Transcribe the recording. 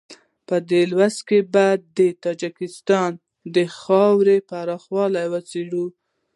په دې لوست کې به د تاجکستان د خاورې پراخوالی وڅېړو.